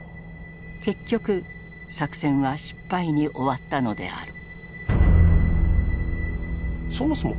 結局作戦は失敗に終わったのである。